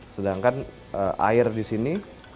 sedangkan air di sini